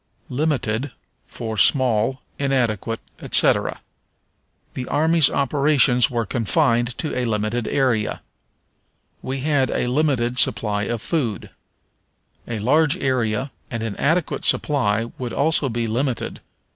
Limited for Small, Inadequate, etc. "The army's operations were confined to a limited area." "We had a limited supply of food." A large area and an adequate supply would also be limited.